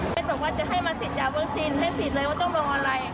บอกว่าจะให้มาสิทธิ์จากเมืองจีนให้สิทธิ์เลยว่าต้องลงออนไลน์